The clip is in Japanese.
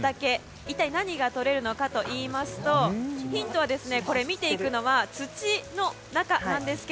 一体何がとれるのかといいますとヒントは、これ見ていくのは土の中なんですが。